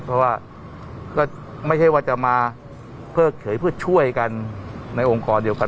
เพราะว่าก็ไม่ใช่ว่าจะมาเพิกเฉยเพื่อช่วยกันในองค์กรเดียวกัน